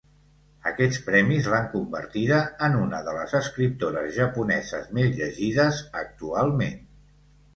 Aquests premis l'han convertida en una de les escriptores japoneses més llegides actualment.